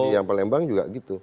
yang palembang juga gitu